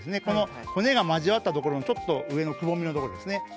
この骨が交わったところのちょっと上のくぼみのとこですね